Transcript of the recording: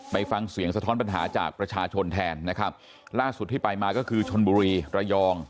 ไปฟังเสียงสะท้อนปัญหาจากประชาชนแทนนะครับล่าสุดที่ไปมาก็คือชนบุรีระยอง